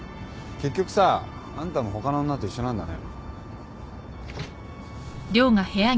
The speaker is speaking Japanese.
結局さあんたもほかの女と一緒なんだね。